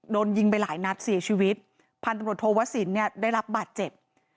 โดนยิงไปหลายนัดเสียชีวิตพันตำรวจโทวสินเนี่ยได้รับบาดเจ็บ